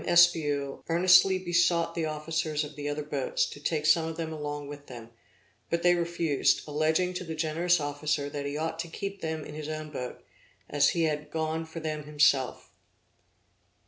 Espiau earnestly besought the officers of the other boats to take some of them along with them; but they refused, alleging to the generous officer that he ought to keep them in his own boat, as he had gone for them himself.